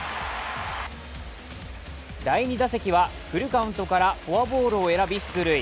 第２打席はフルカウントからフォアボールを選び出塁。